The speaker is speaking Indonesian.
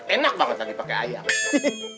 enak banget lagi pakai ayam